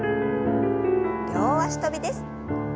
両脚跳びです。